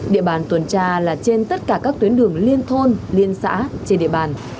địa bàn tuần tra là trên tất cả các tuyến đường liên thôn liên xã trên địa bàn